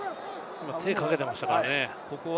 今、手をかけていましたからね。